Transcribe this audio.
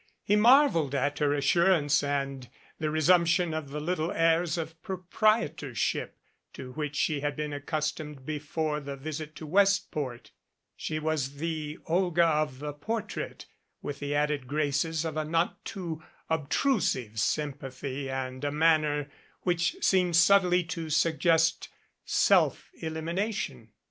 He marveled at her as surance and the resumption of the little airs of proprie torship to which he had been accustomed before the visit to Westport. She was the Olga of the portrait with the added graces of a not too obtrusive sympathy arid a man ner which seemed subtly to suggest self elimination.